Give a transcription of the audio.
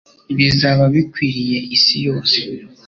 bizaba bikwiriye isi yose.”